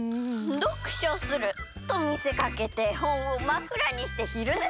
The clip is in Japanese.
どくしょするとみせかけてほんをまくらにしてひるねするのもよし。